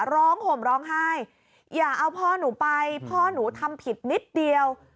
ห่มร้องไห้อย่าเอาพ่อหนูไปพ่อหนูทำผิดนิดเดียว